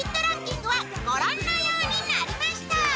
ランキングはご覧のようになりました